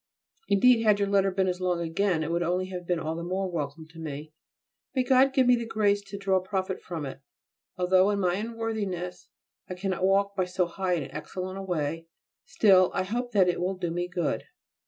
Indeed, had your letter been as long again it would only have been all the more welcome to me. May God give me the grace to draw profit from it! Although in my unworthiness I cannot walk by so high and excellent a way, still, I hope that it will do me good.